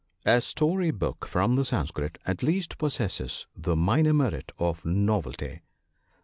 STORY BOOK from the Sanskrit at least possesses the minor merit of novelty.